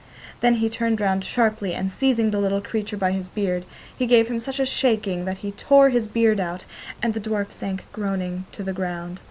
Then he turned round sharply, and, seizing the little creature by his beard, he gave him such a shaking that he tore his beard out, and the dwarf sank groaning to the ground.